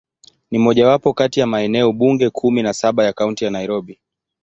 Ni mojawapo kati ya maeneo bunge kumi na saba ya Kaunti ya Nairobi.